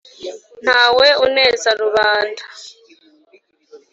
Ntawe uneza rubanda.